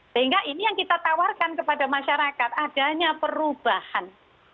sehingga ini yang kita tawarkan kepada masyarakat adanya perubahan